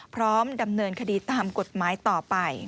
พร้อมดำเนินคดีตามกฎหมายต่อไป